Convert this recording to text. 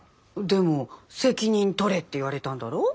でも責任取れって言われたんだろ？